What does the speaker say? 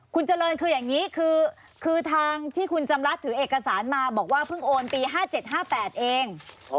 คุณเจริญคืออย่างนี้คือทางที่คุณจำรัฐถือเอกสารมาบอกว่าเพิ่งโอนปี๕๗๕๘เอง